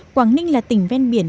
quảng ninh là tỉnh ven biển